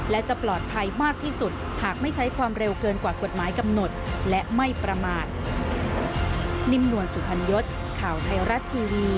และจะปลอดภัยมากที่สุดหากไม่ใช้ความเร็วเกินกว่ากฎหมายกำหนดและไม่ประมาท